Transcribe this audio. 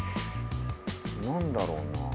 何だろうな？